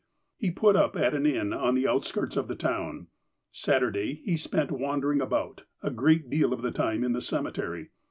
He put up at an inn on the outskirts of the town, Saturday he spent wandering about, a great deal of the time in the cemetery.